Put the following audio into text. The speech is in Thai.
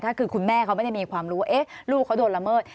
ถ้าคือคุณแม่เขาไม่ได้มีความรู้ลูกเขาโดนละเมิด